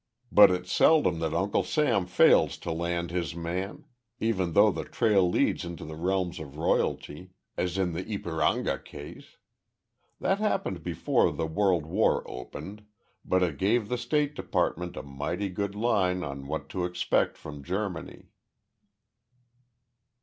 But it's seldom that Uncle Sam fails to land his man even though the trail leads into the realms of royalty, as in the Ypiranga case. That happened before the World War opened, but it gave the State Department a mighty good line on what to expect from Germany."